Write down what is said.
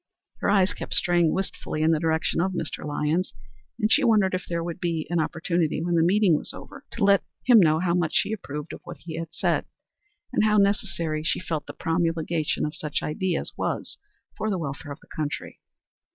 Her eyes kept straying wistfully in the direction of Mr. Lyons, and she wondered if there would be an opportunity when the meeting was over to let him know how much she approved of what he had said, and how necessary she felt the promulgation, of such ideas was for the welfare of the country.